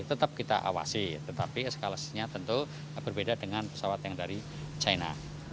tetap kita awasi tetapi eskalasinya tentu berbeda dengan pesawat yang dari china